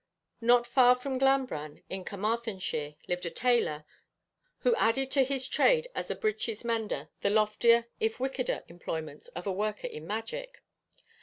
Not far from Glanbran, in Carmarthenshire, lived a tailor, who added to his trade as a breeches mender the loftier, if wickeder, employments of a worker in magic.